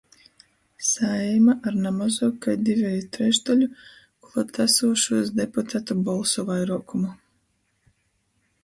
Saeima ar na mozuok kai diveju trešdaļu kluot asūšūs deputatu bolsu vairuokumu